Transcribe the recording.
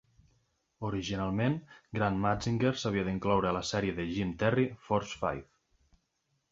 Originalment, "Gran Mazinger" s'havia d'incloure a la sèrie de Jim Terry "Force Five".